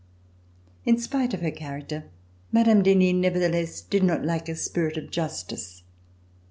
In spite of her character, Mme. d'Henin nevertheless did not lack a spirit of justice.